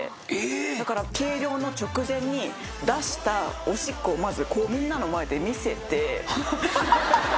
だから計量の直前に出したおしっこをみんなの前で見せて。